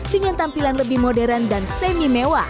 dengan tampilan lebih modern dan semi mewah